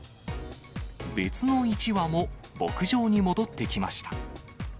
別の１羽も牧場に戻ってきました。